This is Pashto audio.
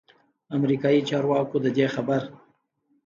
امریکايي چارواکو ددې خبر